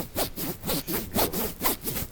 Ceggeb.